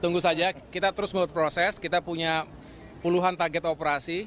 tunggu saja kita terus berproses kita punya puluhan target operasi